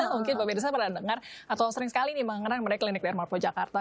mungkin pemirsa pernah dengar atau sering sekali nih mengenai klinik di hermalvo jakarta